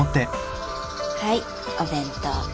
はいお弁当。